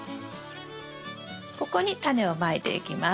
ここにタネをまいていきます。